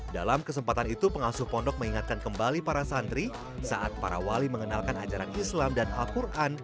dalam kesempatan itu pengasuh pondok mengingatkan kembali para santri saat para wali mengenalkan ajaran islam dan al quran